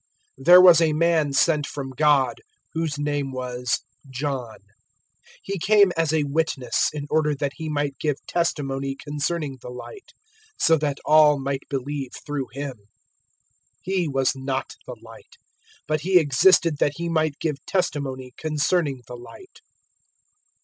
001:006 There was a man sent from God, whose name was John. 001:007 He came as a witness, in order that he might give testimony concerning the Light so that all might believe through him. 001:008 He was not the Light, but he existed that he might give testimony concerning the Light.